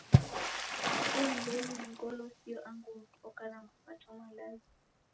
Kutesia m'mbenyu ni ngolo, sio angu mundu oka na mapato malazi.